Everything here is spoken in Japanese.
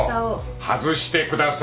外してください。